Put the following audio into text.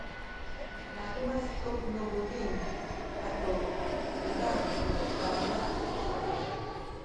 matumes tu nu buting atu uzang ku balunga